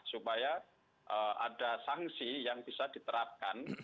supaya ada sanksi yang bisa diterapkan